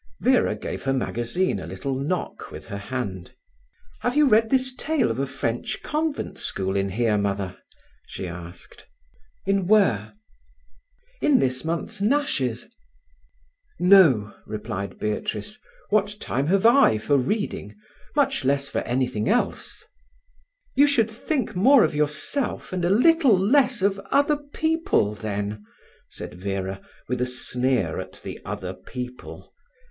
Vera gave her magazine a little knock with her hand. "Have you read this tale of a French convent school in here, Mother?" she asked. "In where?" In this month's Nash's." "No," replied Beatrice. "What time have I for reading, much less for anything else?" "You should think more of yourself, and a little less of other people, then," said Vera, with a sneer at the "other people".